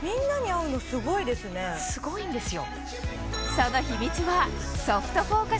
すごいんですよ。